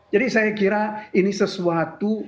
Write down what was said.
jadi saya kira ini sesuatu